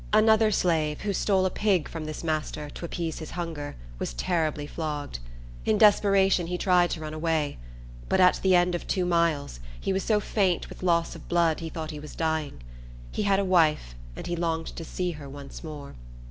Another slave, who stole a pig from this master, to appease his hunger, was terribly flogged. In desperation, he tried to run away. But at the end of two miles, he was so faint with loss of blood, he thought he was dying. He had a wife, and he longed to see her once more.